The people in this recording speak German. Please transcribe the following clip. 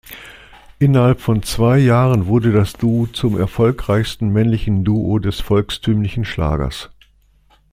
Innerhalb von zwei Jahren wurde das Duo zum erfolgreichsten männlichen Duo des volkstümlichen Schlagers.